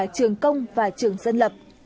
trường công và trường dân lập